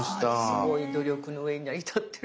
すごい努力の上に成り立ってる。